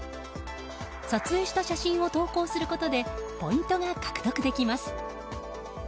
撮影した写真を投稿することでポイントが獲得できます。